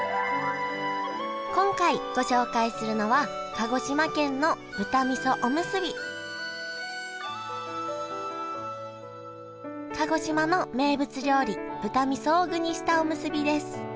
今回ご紹介するのは鹿児島の名物料理豚味噌を具にしたおむすびです。